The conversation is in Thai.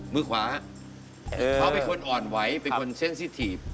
มือขวาเขาเป็นคนอ่อนไหวเป็นคนเส้นที่ถีบ